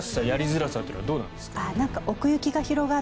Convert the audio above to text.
づらさというのはどうなんですか？